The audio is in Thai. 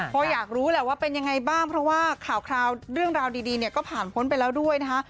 เพราะอยากรู้แหละว่าเป็นยังไงบ้างเพราะว่าข่าวเรื่องราวดีเนี่ยก็ผ่านพ้นไปแล้วด้วยนะคะ